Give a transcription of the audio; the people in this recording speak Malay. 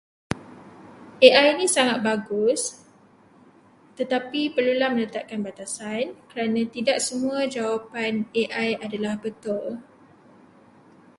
AI ini sangat bagus, tetapi perlulah meletakkan batasan kerana tidak semua jawapan AI adalah betul.